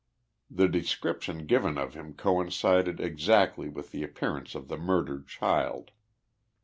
The de scription given of him coincided exactly with the appearance of the murdered child.